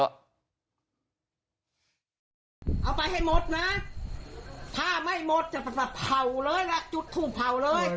เอาไปให้หมดนะถ้าไม่หมดจะไปเผาเลยล่ะจุดทูบเผ่าเลย